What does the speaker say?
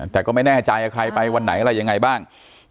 แต่ก็ไม่แน่ใจว่าใครไปวันไหนอะไรยังไงบ้าง